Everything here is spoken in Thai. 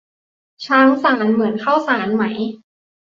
ช้างสาร เหมือนข้าวสารไหม